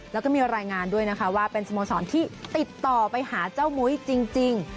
แล้วก็มีรายงานด้วยนะคะว่าเป็นสโมสรที่ติดต่อไปหาเจ้ามุ้ยจริง